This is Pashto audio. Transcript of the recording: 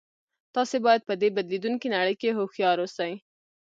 تاسې باید په دې بدلیدونکې نړۍ کې هوښیار اوسئ